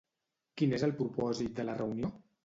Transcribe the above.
Quin és el propòsit de la reunió?